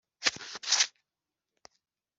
gika cya cy ingingo ya y iri teka buri wese